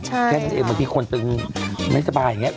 แค่นั้นเองบางทีคนตึงไม่สบายอย่างนี้